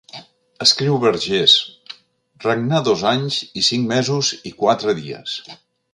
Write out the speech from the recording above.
Escriu Vergés: «Regnà dos anys i cinc mesos i quatre dies.